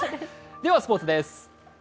ではスポーツです。